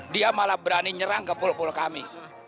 dia malah berani nyerang ke pol pol kami